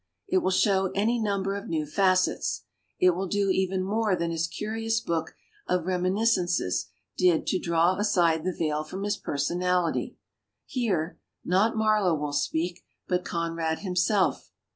It will show any number of new facets. It will do even more than his curious book of remi niscences did to draw aside the veil from his personality. Here, not Mar low will speak, but Conrad himself.